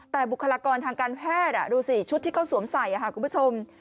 แต่บุคลากรทางการแพทย์ดูสิชุดที่เขาสวมใส่คุณผู้ชม